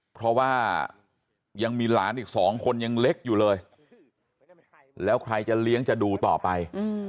เพราะว่ายังมีหลานอีกสองคนยังเล็กอยู่เลยแล้วใครจะเลี้ยงจะดูต่อไป